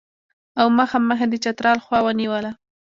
او مخامخ یې د چترال خوا ونیوله.